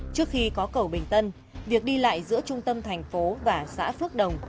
trước khi có cầu bình tân việc đi lại giữa trung tâm thành phố và xã phước đồng